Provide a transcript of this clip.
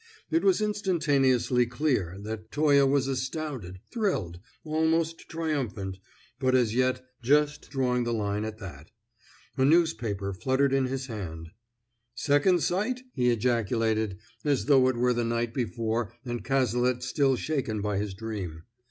It was instantaneously clear that Toye was astounded, thrilled, almost triumphant, but as yet just drawing the line at that. A newspaper fluttered in his hand. "Second sight?" he ejaculated, as though it were the night before and Cazalet still shaken by his dream.